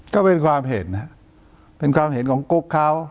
ก็เป็นความเห็นนะเป็นความเห็นของกุ๊กเขา